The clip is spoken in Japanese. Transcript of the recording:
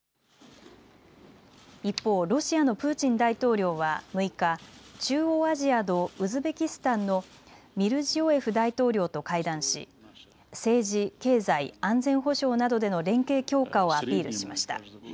一方、ロシアのプーチン大統領は６日、中央アジアのウズベキスタンのミルジヨエフ大統領と会談し政治、経済、安全保障などでの連携強化をアピールしました。